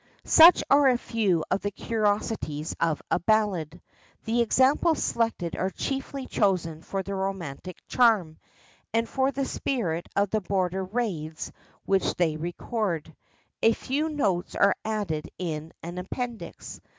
Such are a few of the curiosities of the ballad. The examples selected are chiefly chosen for their romantic charm, and for the spirit of the Border raids which they record. A few notes are added in an appendix.